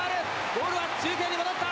ボールは中継に戻って。